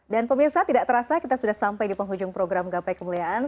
pemirsa tidak terasa kita sudah sampai di penghujung program gapai kemuliaan